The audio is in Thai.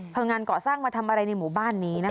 งานเกาะสร้างมาทำอะไรในหมู่บ้านนี้นะคะ